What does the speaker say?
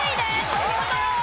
お見事！